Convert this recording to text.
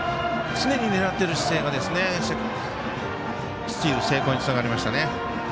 常に狙ってる姿勢がスチール成功につながりましたね。